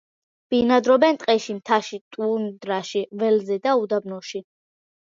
ბინადრობენ ტყეში, მთაში, ტუნდრაში, ველზე და უდაბნოში.